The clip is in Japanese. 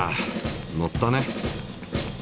乗ったね！